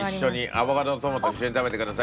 アボカドとトマト一緒に食べてください。